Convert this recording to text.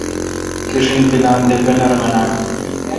کݭین پلان تےپنر منان